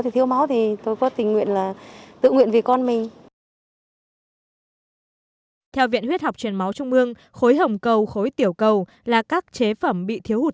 theo viện huyết học truyền máu trung mương khối hồng cầu khối tiểu cầu là các chế phẩm bị thiếu hụt